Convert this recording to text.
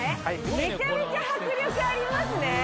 めちゃめちゃ迫力ありますね。